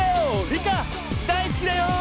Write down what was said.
リカ大好きだよ！